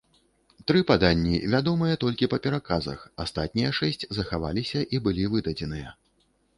Тры паданні вядомыя толькі па пераказах, астатнія шэсць захаваліся і былі выдадзеныя.